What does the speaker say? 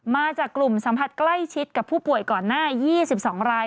มาจากกลุ่มสัมผัสใกล้ชิดกับผู้ป่วยก่อนหน้า๒๒ราย